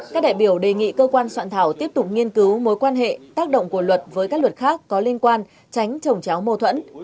các đại biểu đề nghị cơ quan soạn thảo tiếp tục nghiên cứu mối quan hệ tác động của luật với các luật khác có liên quan tránh trồng cháo mâu thuẫn